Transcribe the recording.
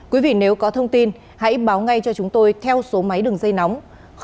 quý vị nếu có thông tin hãy báo ngay cho chúng tôi theo số máy đường dây nóng